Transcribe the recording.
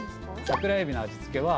桜えびの味付けは。